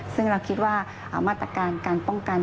ซึ่งเราคิดว่ามาตรการการป้องกัน